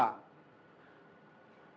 nah daripada itu pusing pusing yang seperti itu